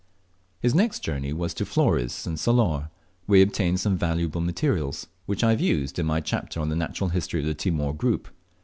His next journey was to Flores and Solor, where he obtained some valuable materials, which I have used in my chapter on the natural history of the Timor group.